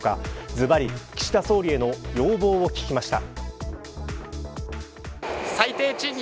ずばり、岸田総理への要望を聞きました。